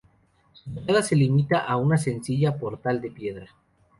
Su fachada se limita a una sencilla portal de piedra.